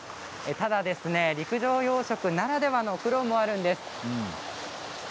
ただ、陸上養殖ならではの苦労もあるんです。